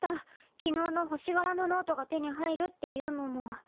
昨日の星がらのノートが手に入るっていうのも。